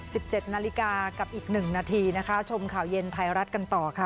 สิบเจ็ดนาฬิกากับอีกหนึ่งนาทีนะคะชมข่าวเย็นไทยรัฐกันต่อค่ะ